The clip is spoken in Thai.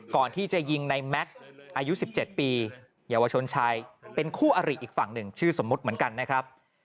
ก่อนที่จะยิงในแม็กซ์อายุ๑๗ปีเยาวชนชายเป็นคู่อริอีกฝั่งหนึ่งชื่อสมมุติเหมือนกันนะครับ